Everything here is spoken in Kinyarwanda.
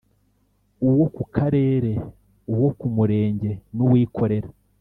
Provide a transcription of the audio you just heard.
uwo ku Karere uwo ku Murenge n uwikorera